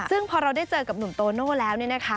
ซึ่งพอเราได้เจอกับหนุ่มโตโน่แล้วเนี่ยนะคะ